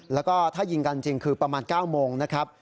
แล้วก็ถ้ายิงกันจริงคือประมาณ๙โมงนะครับ